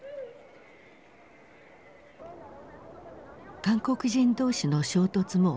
韓国人同士の衝突も起こった。